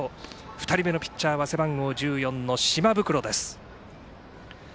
２人目のピッチャーは背番号１４島袋です。